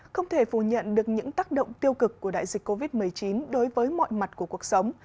không thể phủ nhận được những tác động tiêu cực của đại dịch covid một mươi chín đối với mọi mặt của cuộc sống